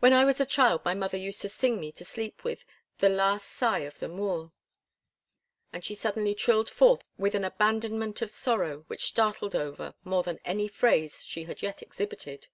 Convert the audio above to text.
When I was a child my mother used to sing me to sleep with 'The Last Sigh of the Moor.'" And she suddenly trilled forth with an abandonment of sorrow which startled Over more than any phase she had yet exhibited.